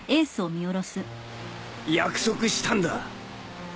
約束したんだ。